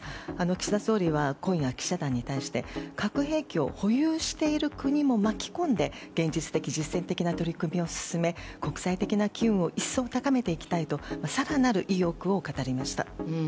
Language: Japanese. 岸田総理は今夜、記者団に対して核兵器を保有している国も巻き込んで現実的・実践的な取り組みを進め国際的な機運を一層、高めていきたいと更なる意欲を語りました。